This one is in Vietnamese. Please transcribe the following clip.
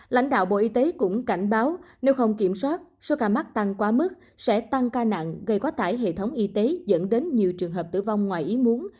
lãnh đạo bộ y tế cũng cảnh báo nếu không kiểm soát số ca mắc tăng quá mức sẽ tăng ca nặng gây quá tải hệ thống y tế dẫn đến nhiều trường hợp tử vong ngoài ý muốn